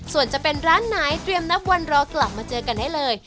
ส่วนจะเป็นร้านไหนเตรียมนับวันรอกลับมาเจอกันได้เลย